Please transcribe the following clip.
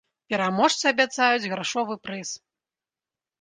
Пераможцы абяцаюць грашовы прыз.